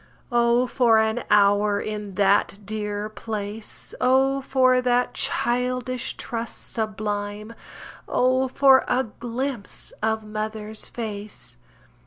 Oh, for an hour in that dear place Oh, for that childish trust sublime Oh, for a glimpse of mother's face!